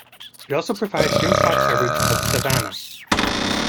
It also provides rimshot coverage of Savannah.